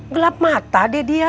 gelap mata deh dia